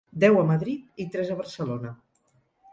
Deu a Madrid i tres a Barcelona.